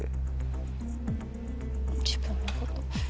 自分のこと。